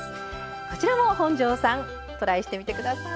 こちらも本上さんトライしてみて下さい。